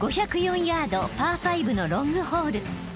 ［５０４ヤードパー５のロングホール］